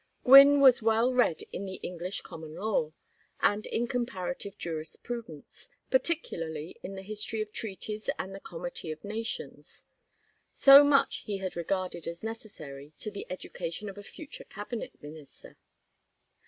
Gwynne was well read in the English Common Law, and in Comparative Jurisprudence, particularly in the history of treaties and the comity of nations. So much he had regarded as necessary to the education of a future cabinet minister.